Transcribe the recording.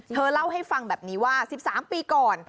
เธอเล่าให้ฟังแบบนี้ว่า๑๓ปีก่อน